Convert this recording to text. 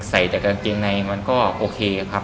ใส่แต่กางเกงในมันก็โอเคครับ